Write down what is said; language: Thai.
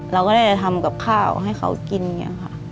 เราก็ได้ทำกับข้าวให้เค้ากินเนี่ยค่ะ